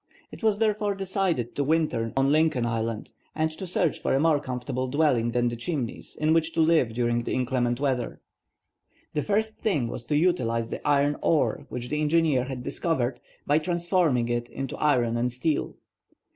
It was therefore decided to winter on Lincoln Island, and to search for a more comfortable dwelling than the Chimneys in which to live during the inclement weather. The first thing was to utilize the iron ore which the engineer had discovered, by transforming it into iron and steel.